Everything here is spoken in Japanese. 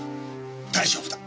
大丈夫だ。